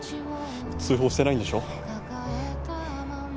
通報してないんでしょ？